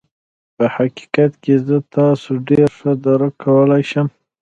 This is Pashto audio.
په حقيقت کې زه تاسو ډېر ښه درک کولای شم.